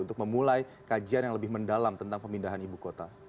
untuk memulai kajian yang lebih mendalam tentang pemindahan ibu kota